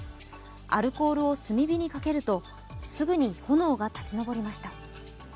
アルコールを炭火にかけるとすぐに炎が立ち上りました。